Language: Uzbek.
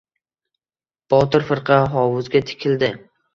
Botir firqa hovuzga tikildi.